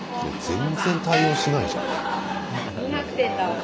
全然対応しないじゃん。